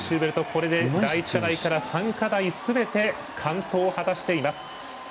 これで第１課題から３課題すべて完登を果たしています。